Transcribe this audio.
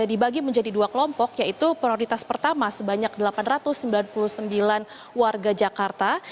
dibagi menjadi dua kelompok yaitu prioritas pertama sebanyak delapan ratus sembilan puluh sembilan warga jakarta